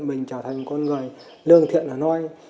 mình trở thành con người lương thiện ở nơi